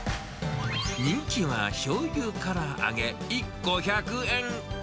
人気は、しょうゆから揚げ１個１００円。